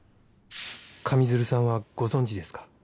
上水流さんはご存じですか？